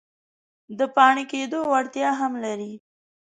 د پاڼې کیدو وړتیا هم لري.